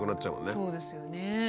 そうですよね。